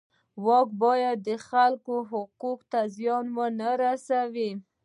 واک باید د خلکو حقونو ته زیان ونه رسوي.